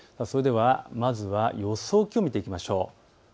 まずは予想気温を見ていきましょう。